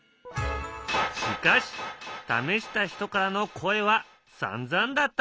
しかし試した人からの声はさんざんだった。